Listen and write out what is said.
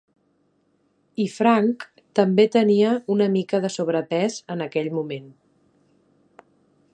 I Frank també tenia una mica de sobrepès en aquell moment.